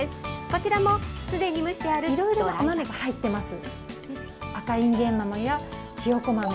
こちらもすでに蒸してあるいろいろなお豆が入っています。